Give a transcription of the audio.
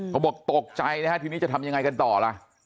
เขาบอกตกใจนะฮะทีนี้จะทำยังไงกันต่อล่ะ